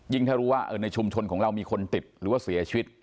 ถ้ารู้ว่าในชุมชนของเรามีคนติดหรือว่าเสียชีวิต